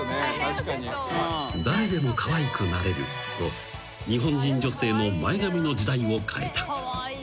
［「誰でもかわいくなれる」と日本人女性の前髪の時代を変えた］